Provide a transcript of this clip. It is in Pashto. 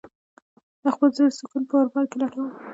د خپل زړه سکون په عرفان کې لټوم.